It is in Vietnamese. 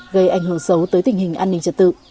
gây ảnh hưởng xấu tới tình hình an ninh trật tự